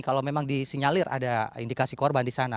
kalau memang disinyalir ada indikasi korban di sana